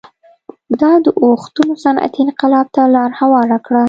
دا اوښتونونه صنعتي انقلاب ته لار هواره کړه